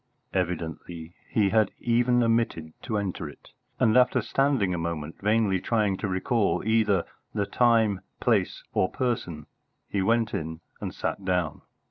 Evidently he had even omitted to enter it; and after standing a moment vainly trying to recall either the time, place, or person, he went in and sat down.